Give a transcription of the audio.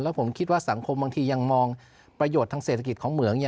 ผมคิดว่าสังคมบางทียังมองประโยชน์ทางเศรษฐกิจของเหมือง